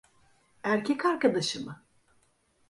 Erkek arkadaşı mı?